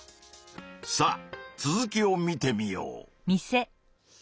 さあ続きを見てみよう。